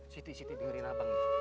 siti siti dengerin abang